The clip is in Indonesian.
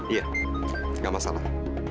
iya gak masalah